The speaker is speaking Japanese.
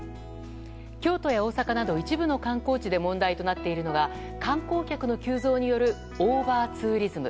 京都や大阪など一部の観光地で問題となっているのが観光客の急増によるオーバーツーリズム。